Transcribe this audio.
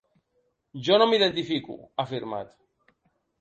Jo no m’identifico, ha afirmat.